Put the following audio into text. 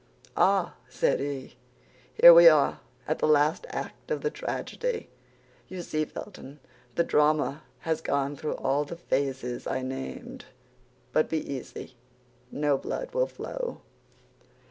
"Ah," said he, "here we are, at the last act of the tragedy. You see, Felton, the drama has gone through all the phases I named; but be easy, no blood will flow."